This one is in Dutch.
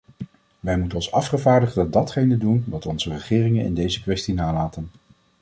Wij moeten als afgevaardigden datgene doen, wat onze regeringen in deze kwestie nalaten.